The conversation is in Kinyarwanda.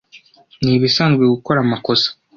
Ni ibisanzwe gukora amakosa.